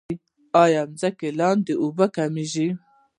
آیا د ځمکې لاندې اوبه کمیږي؟